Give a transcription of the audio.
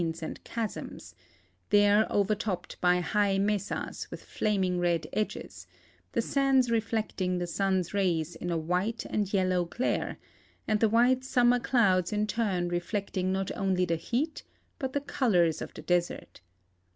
^ and chasms, there overtopped by high mesas with llaming red edges, the sands reflecting the sun's rays in a white and vi llow glare, and the white summer clouds in turn reflecting not only the heat but the colors of the desert.